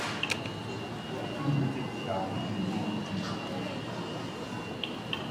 Er fing mit sechs Jahren in der Jugend von Fortuna Düsseldorf an.